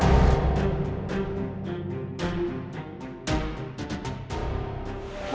kamu mau kemana